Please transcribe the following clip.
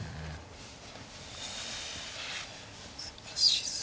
難しそう。